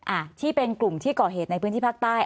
อ่ะที่เป็นกลุ่มที่ก่อเหตุในพื้นที่ภาคใต้